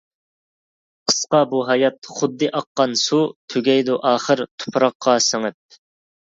قىسقا بۇ ھايات، خۇددى ئاققان سۇ، تۈگەيدۇ ئاخىر، تۇپراققا سىڭىپ.